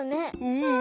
うん。